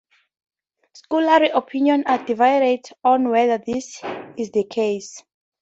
Scholarly opinions are divided on whether this is the case.